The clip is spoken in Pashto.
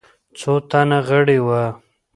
څو تنه غړي وه.